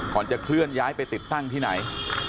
ก่อนจะเคลื่อนย้ายไปติดตั้งที่ไหน